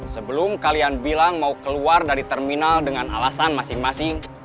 sebelum kalian bilang mau keluar dari terminal dengan alasan masing masing